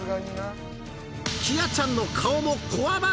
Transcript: きあちゃんの顔もこわばる